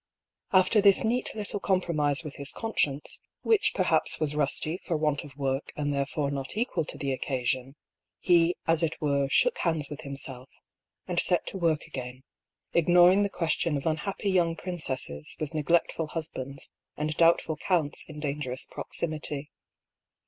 After this neat little compromise with his con science, which perhaps was rusty for want of work and therefore not equal to the occasion, he as it were shook hands with himself, and set to work again, ignoring the question of unhappy young princesses with neglect ful husbands and doubtful counts in dangerous prox imity.